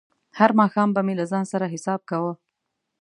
هر ماښام به مې له ځان سره حساب کاوه.